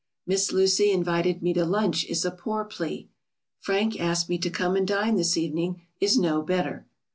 "Miss Lucy invited me to lunch" is a poor plea. "Frank asked me to come and dine this evening," is no better.